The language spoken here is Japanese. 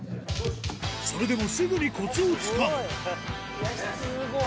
それでもすぐにコツをつかむスゴい。